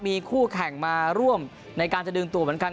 มีคู่แข่งมาร่วมในการจะดึงตัวเหมือนกัน